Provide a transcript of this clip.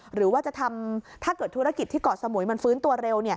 หรือว่าจะทำถ้าเกิดธุรกิจที่เกาะสมุยมันฟื้นตัวเร็ว